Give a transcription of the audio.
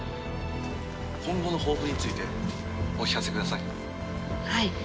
今後の抱負についてお聞かせください。